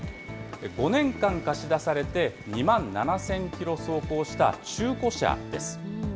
５年間貸し出されて２万７０００キロ走行した中古車です。